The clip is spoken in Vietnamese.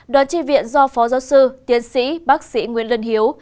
đoàn tri viện do phó giáo sư tiến sĩ bác sĩ nguyễn lân hiếu